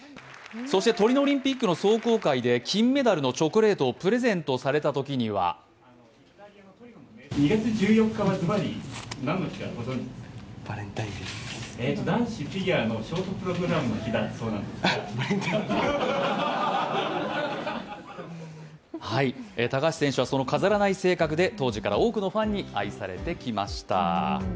トリノオリンピックの壮行会で金メダルのチョコレートをプレゼントされたときには高橋選手はその飾らない性格で当時から多くのファンに愛されてきました。